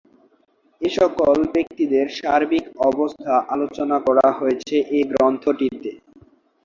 এ সকল ব্যক্তিদের সার্বিক অবস্থা আলোচনা করা হয়েছে এ গ্রন্থটিতে।